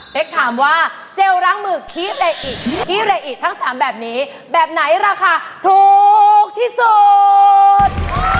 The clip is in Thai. ถามว่าเจลล้างมือคีเรอิคีเรอิทั้ง๓แบบนี้แบบไหนราคาถูกที่สุด